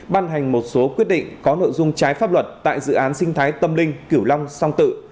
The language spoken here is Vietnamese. ban hành một số quyết định có nội dung trái pháp luật tại dự án sinh thái tâm linh kiểu long song tự